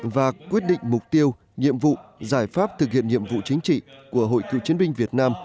và quyết định mục tiêu nhiệm vụ giải pháp thực hiện nhiệm vụ chính trị của hội cựu chiến binh việt nam